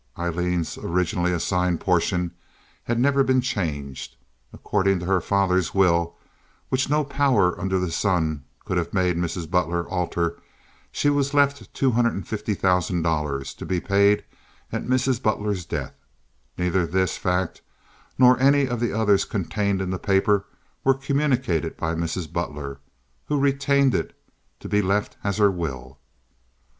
Aileen's originally assigned portion had never been changed. According to her father's will, which no power under the sun could have made Mrs. Butler alter, she was left $250,000 to be paid at Mrs. Butler's death. Neither this fact nor any of the others contained in the paper were communicated by Mrs. Butler, who retained it to be left as her will.